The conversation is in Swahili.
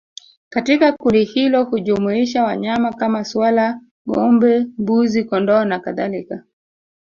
Katika kundi hilo hujumuisha wanyama kama swala ngombe mbuzi kondoo na kadhalika